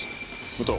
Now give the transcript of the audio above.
武藤